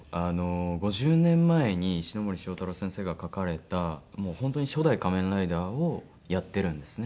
５０年前に石森章太郎先生が描かれた本当に初代『仮面ライダー』をやってるんですね